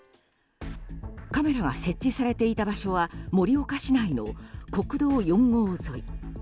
カメラが設置されていた場所は盛岡市内の国道４号沿い。